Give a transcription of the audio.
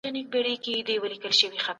له ټولني ګوښه کېدل ښه پايله نه لري.